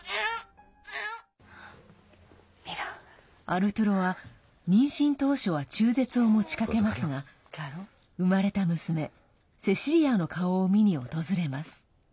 アルトゥロは、妊娠当初は中絶を持ちかけますが生まれた娘セシリアの顔を見に訪れます。